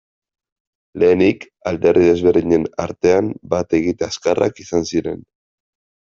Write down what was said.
Lehenik, alderdi desberdinen artean bat egite azkarrak izan ziren.